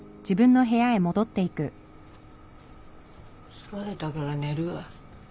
疲れたから寝るわ。